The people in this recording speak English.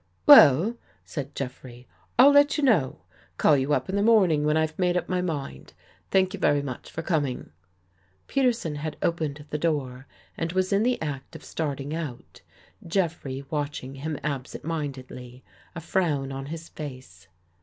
" Well," said Jeffrey, " I'll let you know. Call you up in the morning when I've made up my mind. Thank you very much for coming." Peterson had opened the door and was in the act of starting out, Jeffrey watching him absent mind edly, a frown on his face.